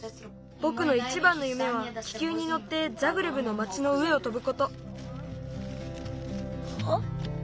ぼくのいちばんのゆめは気球にのってザグレブの町の上を飛ぶこと。